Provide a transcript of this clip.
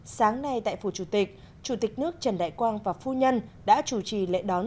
sáng nay tại phủ chủ tịch chủ tịch nước trần đại quang và phu nhân đã chủ trì lễ đón